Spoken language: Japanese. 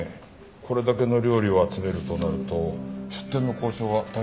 これだけの料理を集めるとなると出店の交渉は大変だったのでは？